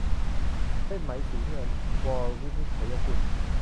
เส้นไหมสีเงิน - ว วินิจฉัยกุล